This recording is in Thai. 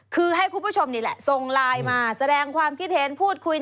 คือให้คุณผู้ชมนี่แหละส่งไลน์มาแสดงความคิดเห็นพูดคุย